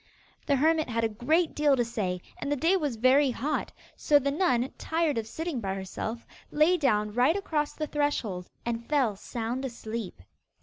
The hermit had a great deal to say, and the day was very hot, so the nun, tired of sitting by herself, lay down right across the threshold, and fell sound asleep.